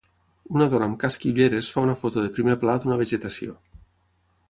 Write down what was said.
Una dona amb casc i ulleres fa una foto de primer pla d'una vegetació.